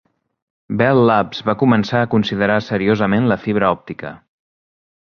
Bell Labs va començar a considerar seriosament la fibra òptica.